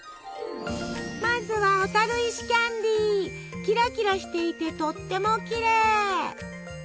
まずはキラキラしていてとってもきれい！